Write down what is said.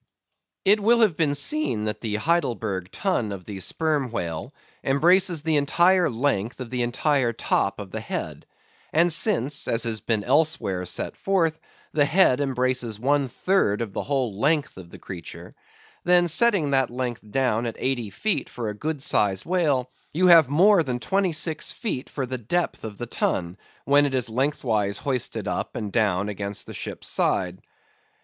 It will have been seen that the Heidelburgh Tun of the Sperm Whale embraces the entire length of the entire top of the head; and since—as has been elsewhere set forth—the head embraces one third of the whole length of the creature, then setting that length down at eighty feet for a good sized whale, you have more than twenty six feet for the depth of the tun, when it is lengthwise hoisted up and down against a ship's side.